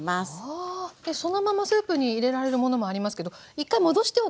あ。でそのままスープに入れられるものもありますけど１回戻しておくと。